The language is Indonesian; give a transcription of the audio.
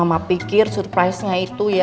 sama pikir surprise nya itu ya